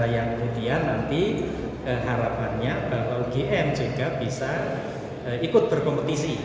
yang kemudian nanti harapannya bahwa ugm juga bisa ikut berkompetisi